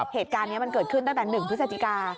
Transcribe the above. เหตุการณ์นี้มันเกิดขึ้นตั้งแต่๑พฤศจิกา